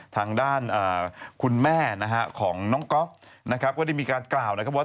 ทางด้านคุณแม่นะฮะของน้องก๊อฟนะครับก็ได้มีการกล่าวนะครับว่า